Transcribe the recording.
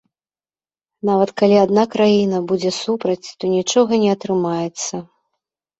Нават калі адна краіна будзе супраць, то нічога не атрымаецца.